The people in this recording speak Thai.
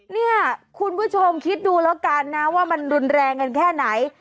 เนี่ยคุณผู้ชมคิดดูแล้วกันนะว่ามันรุนแรงกันแค่ไหน